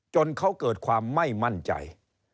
จนเขาเกิดความไม่มั่นใจ